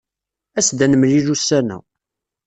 As-d ad nemlil ussan-a.